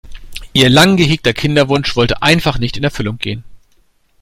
Ihr lang gehegter Kinderwunsch wollte einfach nicht in Erfüllung gehen.